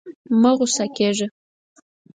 مه غوسه کېږه.